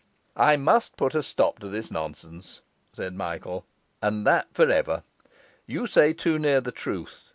'I must put a stop to this nonsense,' said Michael, 'and that for ever. You say too near the truth.